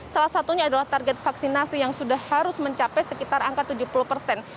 salah satunya adalah target vaksinasi yang sudah harus mencapai sekitar angka tujuh puluh persen